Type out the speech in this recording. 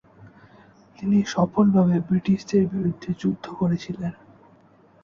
তিনি সফলভাবে ব্রিটিশদের বিরুদ্ধে যুদ্ধ করেছিলেন।